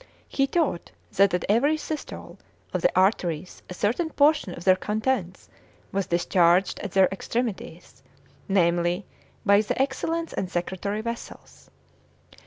He taught that at every systole of the arteries a certain portion of their contents was discharged at their extremities, namely, by the exhalents and secretory vessels.